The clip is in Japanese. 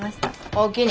おおきに。